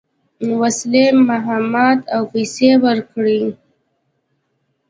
وسلې، مهمات او پیسې ورکړې.